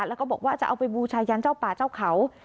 แล้วก็บอกว่าจะเอาไปบูชายันเจ้าป่าเจ้าเขา